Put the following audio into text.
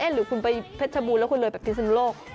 หรือคุณไปเพชรบูรณแล้วคุณเลยไปพิศนุโลก